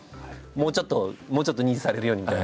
「もうちょっともうちょっと認知されるように」みたいな。